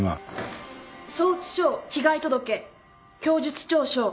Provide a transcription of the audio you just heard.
送致書被害届供述調書